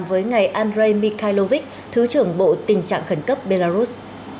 với ngài andrei mikhailovich thứ trưởng bộ tình trạng khẩn cấp belarus